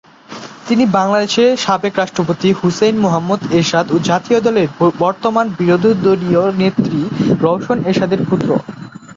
তিনি বাংলাদেশের সাবেক রাষ্ট্রপতি হুসেইন মুহাম্মদ এরশাদ ও জাতীয় সংসদের বর্তমান বিরোধীদলীয় নেত্রী রওশন এরশাদের পুত্র।